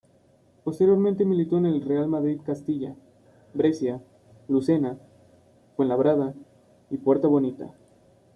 Posteriormente militó en el Real Madrid Castilla, Brescia, Lucena, Fuenlabrada y Puerta Bonita.